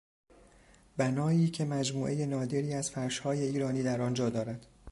بنایی که مجموعهی نادری از فرشهای ایرانی در آن جا دارد